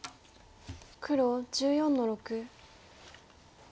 黒１４の六。